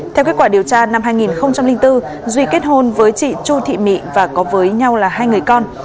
theo kết quả điều tra năm hai nghìn bốn duy kết hôn với chị chu thị mị và có với nhau là hai người con